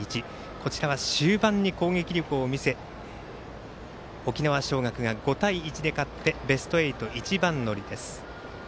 こちらは終盤に攻撃力を見せ沖縄尚学は５対１で勝ってベスト８一番乗りです。